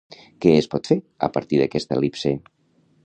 Què es pot fer a partir d'aquesta el·lipse?